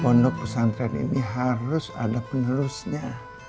pondok pesantren ini harus ada penerusnya